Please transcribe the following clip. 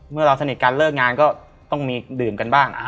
เราสนิทกันเลิกงานก็ต้องมีดื่มกันบ้าง